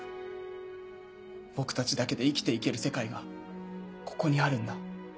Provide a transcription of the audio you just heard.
僕たちだけで生きていける世界がここにあるんだ。